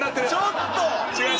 ちょっと！